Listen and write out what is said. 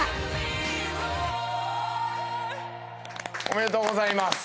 おめでとうございます。